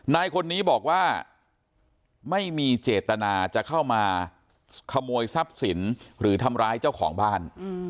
นายคนนี้บอกว่าไม่มีเจตนาจะเข้ามาขโมยทรัพย์สินหรือทำร้ายเจ้าของบ้าน